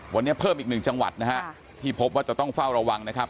วันนี้เพิ่มมาอีก๑จังหวัดณที่พบว่าจะต้องเฝ้าระวังนะครับ